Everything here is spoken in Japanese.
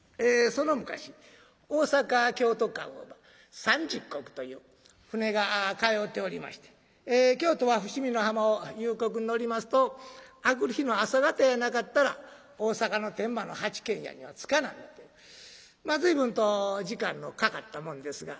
その昔大坂・京都間を三十石という船が通うておりまして京都は伏見の浜を夕刻に乗りますと明くる日の朝方やなかったら大坂の天満の八軒家には着かなんだという随分と時間のかかったもんですが。